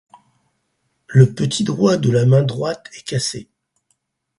Le petit doigt de la main droite est cassé.